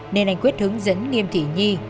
nên anh quyết hướng dẫn nghiêm thị nhi